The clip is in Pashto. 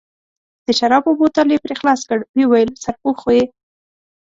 د شرابو بوتل یې پرې خلاص کړ، ویې ویل: سرپوښ خو یې.